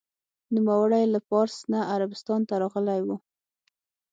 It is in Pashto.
نوموړی له پارس نه عربستان ته راغلی و.